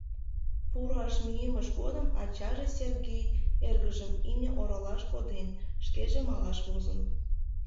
Пу руаш мийымышт годым ачаже Сергей эргыжым имне оролаш коден, шкеже малаш возын.